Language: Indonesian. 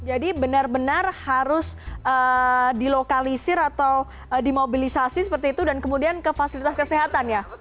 jadi benar benar harus dilokalisir atau dimobilisasi seperti itu dan kemudian ke fasilitas kesehatan ya